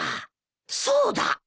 そうだ！